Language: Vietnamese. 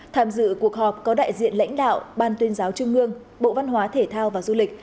tham dự cuộc họp có đại diện lãnh đạo ban tuyên giáo trung ương bộ văn hóa thể thao và du lịch